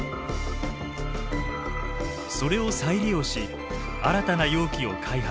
それを再利用し新たな容器を開発。